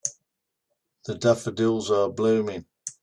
The daffodils are blooming.